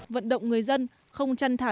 vận động người dân không chăn thả